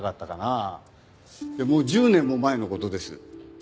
もう１０年も前の事です。